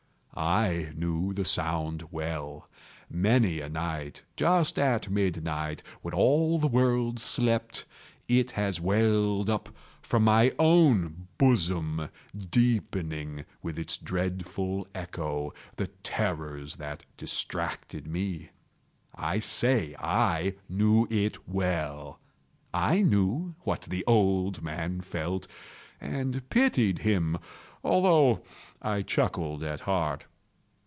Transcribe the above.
I knew the sound well. Many a night, just at midnight, when all the world slept, it has welled up from my own bosom, deepening, with its dreadful echo, the terrors that distracted me. I say I knew it well. I knew what the old man felt, and pitied him, although I chuckled at heart.